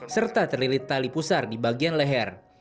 serta terlilit tali pusar di bagian leher